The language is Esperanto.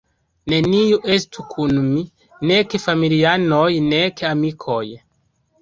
Neniu estu kun mi, nek familianoj nek amikoj.